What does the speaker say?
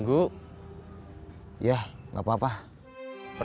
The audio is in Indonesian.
biasanya ada apa apa